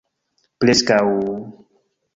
Preskaŭ...